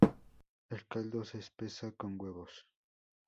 El caldo se espesa con huevos.